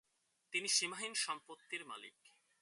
তিনি সীমাহীন সম্পত্তির মালিক।